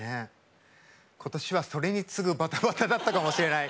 今年はそれに次ぐバタバタだったかもしれない。